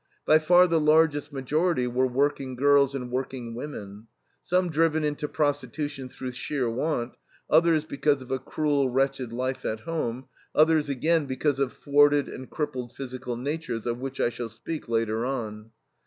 By far the largest majority were working girls and working women; some driven into prostitution through sheer want, others because of a cruel, wretched life at home, others again because of thwarted and crippled physical natures (of which I shall speak later on).